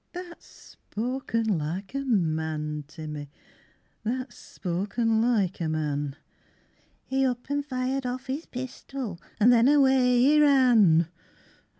That's spoken like a man, Timmy, That's spoken like a man ... "He up an' fired off his pistol An' then away he ran."